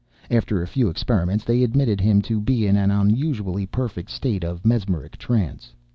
After a few experiments, they admitted him to be an unusually perfect state of mesmeric trance.